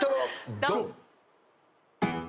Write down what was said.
ドン！